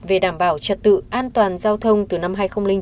về đảm bảo trật tự an toàn giao thông từ năm hai nghìn chín